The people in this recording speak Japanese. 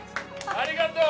ありがとう！